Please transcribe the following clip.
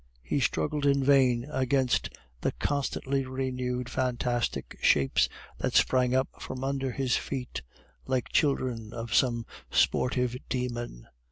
He struggled in vain against the constantly renewed fantastic shapes that sprang up from under his feet, like children of some sportive demon.